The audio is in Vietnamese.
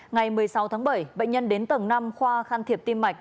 ngày một mươi sáu tháng bảy bệnh nhân đến tầng năm khoa can thiệp tim mạch